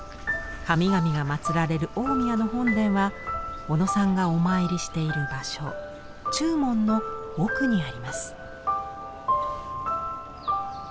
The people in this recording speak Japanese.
神々がまつられる大宮の本殿は小野さんがお参りしている場所中門の奥にあります。